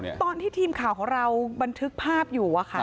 ตอนที่ทีมข่าวของเราบันทึกภาพอยู่อะค่ะ